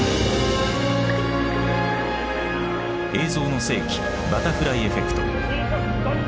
「映像の世紀バタフライエフェクト」。